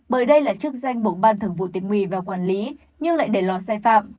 bởi đây là chức danh bổng ban thưởng vụ tình huy và quản lý nhưng lại để lò sai phạm